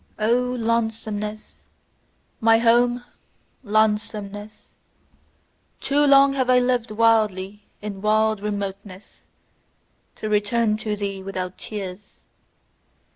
O lonesomeness! My HOME, lonesomeness! Too long have I lived wildly in wild remoteness, to return to thee without tears!